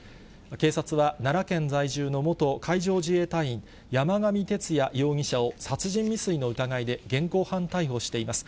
警察は奈良県在住の元海上自衛隊員、山上徹也容疑者を殺人未遂の疑いで現行犯逮捕しています。